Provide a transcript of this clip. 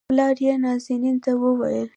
پلار يې نازنين ته وويل